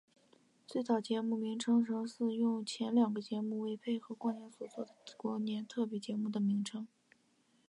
最早节目名称曾经是用前两个节目为了配合过年所做的过年特别节目的名称。